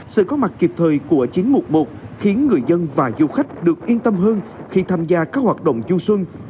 sự có mặt kịp thời của chiến mục một khiến người dân và du khách được yên tâm hơn khi tham gia các hoạt động du xuân